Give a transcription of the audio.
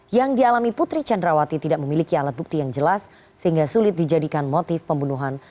yang dialami putri candrawati tidak memiliki alat bukti yang jelas sehingga sulit dijadikan motif pembunuhan